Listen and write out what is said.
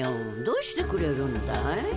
どうしてくれるんだい。